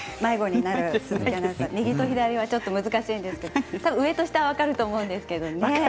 見ると左はちょっと難しいんですけど多分上と下は分かると思うんですけどね。